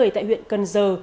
tại huyện cần giờ